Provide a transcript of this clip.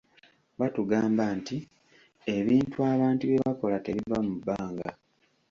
Batugamba nti ebintu abantu bye bakola tebiva mu bbanga.